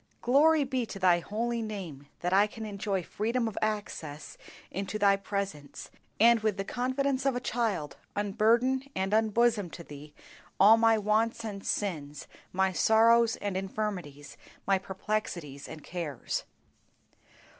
Glory be to Thy holy name that I can enjoy freedom of access into Thy presence, and with the confidence of a child unburden and unbosom to Thee all my wants and sins, my sorrows and infirmities, my perplexities and cares.